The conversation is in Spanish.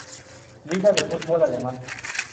Liga del fútbol alemán.